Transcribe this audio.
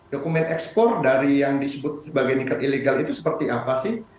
dokumen ekspor dari yang disebut sebagai nikel ilegal itu seperti apa sih